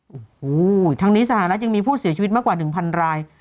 โอ้โหทั้งนี้สหรัฐยังมีผู้เสียชีวิตมากกว่า๑๐๐ราย